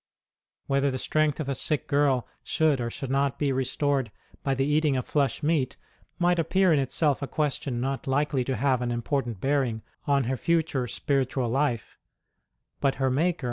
Whether the strength of a sick girl should or should not be restored by the eating of ilesh meat might appear in itself a question not likely to have an important bearing on her future spiritual life; but her Maker has HER LOVE FOR ST.